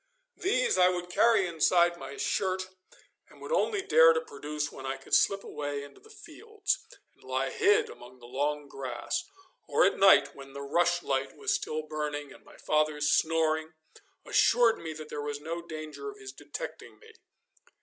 These I would carry inside my shirt, and would only dare to produce when I could slip away into the fields, and lie hid among the long grass, or at night when the rushlight was still burning, and my father's snoring assured me that there was no danger of his detecting me.